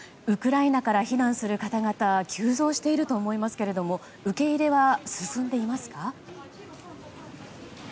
ウクライナから避難する方々が急増していると思いますけれども受け入れは進んでいますか？